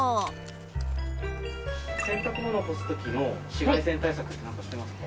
洗濯物を干す時の紫外線対策ってなんかしてますか？